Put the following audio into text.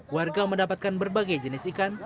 warga mendapatkan berbagai jenis ikan